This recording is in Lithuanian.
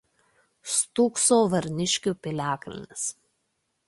Stūkso Varniškių piliakalnis.